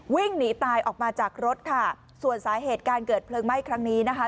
วิ่งหนีตายออกมาจากรถค่ะส่วนสาเหตุการเกิดเพลิงไหม้ครั้งนี้นะคะ